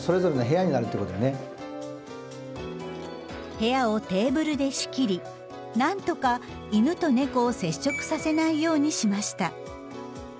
部屋をテーブルで仕切りなんとか犬と猫を接触させないようにしました。